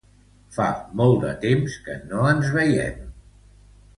Fa molt de temps que no ens veiem.